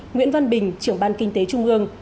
nguyễn văn bình trưởng ban kinh tế trung mương